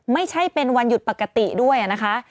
ไม่ใช่เป็นวันหยุดปกติด้วยนะคะ